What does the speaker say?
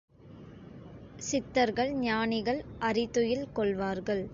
சித்தர்கள், ஞானிகள், அறிதுயில் கொள்வார்கள்.